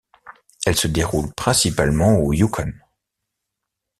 Elle se déroule principalement au Yukon.